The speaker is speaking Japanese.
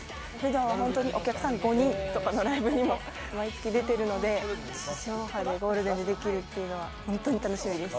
本当にお客さん５人とかのライブにも毎月出てるので、地上波でゴールデンでできるっていうのは本当に楽しみです。